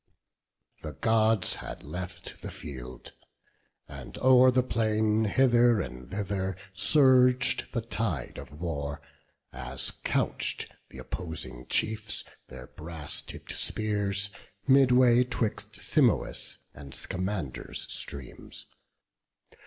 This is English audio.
BOOK VI. The Gods had left the field, and o'er the plain Hither and thither surg'd the tide of war, As couch'd th' opposing chiefs their brass tipp'd spears, Midway 'twixt Simois' and Scamander's streams.